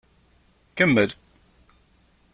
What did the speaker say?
Kemmel.